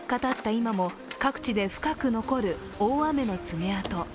今も各地で深く残る大雨の爪痕。